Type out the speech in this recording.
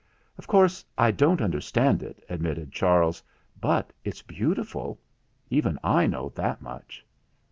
"Of course I don't understand it," admitted Charles; "but it's beautiful. Even I know that much."